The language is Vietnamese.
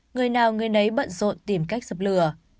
người nào người nấy bận rộn tìm cách dập lửa